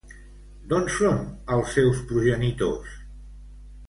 D'on són els seus progenitors?